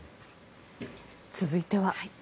続いては。